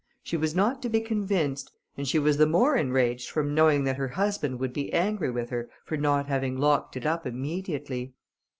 She was not to be convinced, and she was the more enraged from knowing that her husband would be angry with her for not having locked it up immediately.